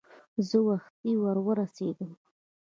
زه وختي ور ورسېدم.